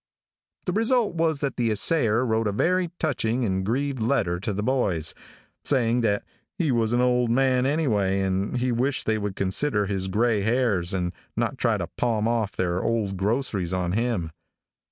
"The result was that the assayer wrote a very touching and grieved letter to the boys, saying that he was an old man anyway, and he wished they would consider his gray hairs and not try to palm off their old groceries on him.